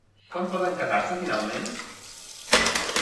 Quan poden casar-se, finalment?